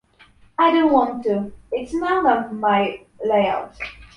I don't want to. It's none of my lay-out.